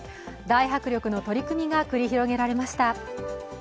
大迫力の取組が繰り広げられました。